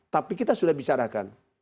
tapi kita sudah bisa adakan